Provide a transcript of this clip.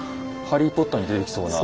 「ハリー・ポッター」に出てきそうな。